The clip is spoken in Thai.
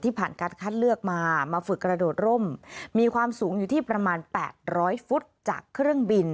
ผ่านการคัดเลือกมามาฝึกกระโดดร่มมีความสูงอยู่ที่ประมาณ๘๐๐ฟุตจากเครื่องบิน